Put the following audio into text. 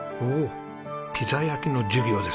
ピザ焼きの授業ですか。